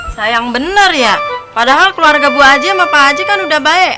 sayang bener ya padahal keluarga bu aji sama pak haji kan udah baik